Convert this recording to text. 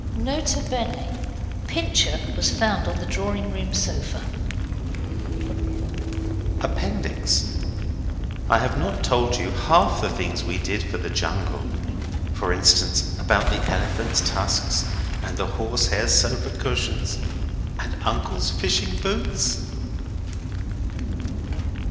N.B. Pincher was found on the drawing room sofa. Appendix. I have not told you half the things we did for the jungle for instance, about the elephants' tusks and the horse hair sofa cushions, and uncle's fishing boots.